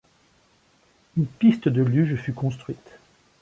Une piste de luge fut construite.